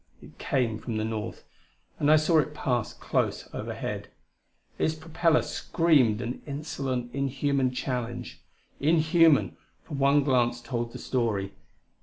It came from the north, and I saw it pass close overhead. Its propeller screamed an insolent, inhuman challenge. Inhuman for one glance told the story.